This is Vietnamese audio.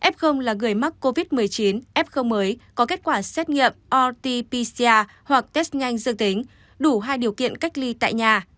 f là người mắc covid một mươi chín f mới có kết quả xét nghiệm rt pcr hoặc test nhanh dương tính đủ hai điều kiện cách ly tại nhà